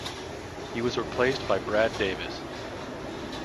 He was replaced by Brad Davis.